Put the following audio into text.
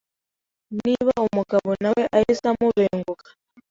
Niba umugabo nawe ahise amubenguka,